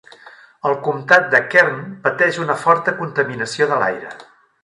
El comtat de Kern pateix una forta contaminació de l'aire.